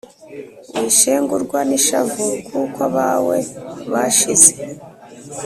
Wishengurwa n'ishavu Kuko abawe bashize